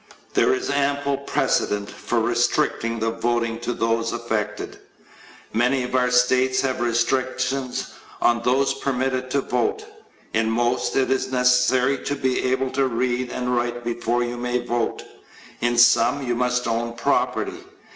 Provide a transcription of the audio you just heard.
There is ample precedent for restricting the voting to those affected. Many of our states have restrictions on those permitted to vote. In most, it is necessary to be able to read and write before you may vote. In some, you must own property.